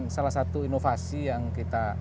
salah satu inovasi yang kita